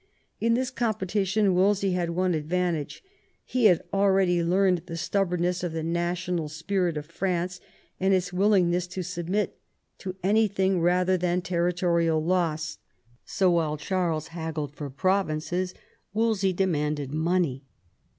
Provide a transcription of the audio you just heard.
In this com petition Wolsey had one advantage; he had already learned the stubbornness of the national spirit of France, and its willingness to submit to anything rather than territorial loss. So, while Charles haggled for provinces, Wolsey demanded money.